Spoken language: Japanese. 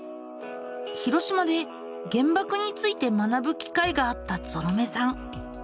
広島で原ばくについて学ぶ機会があったぞろめさん。